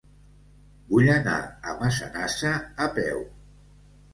Vull anar a Massanassa a peu.